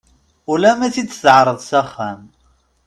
Ula mi i t-id-teɛreḍ axxam.